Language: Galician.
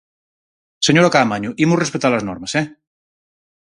Señora Caamaño, imos respectar as normas, ¡eh!